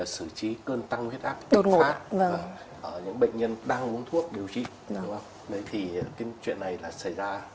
xử trí cơn tăng huyết áp